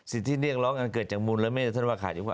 สิทธิเรียกร้องมันเกิดจากมูลไม่ใช่เดี๋ยว